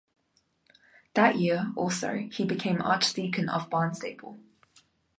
That year, also, he became archdeacon of Barnstaple.